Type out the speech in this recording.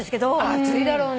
暑いだろうね。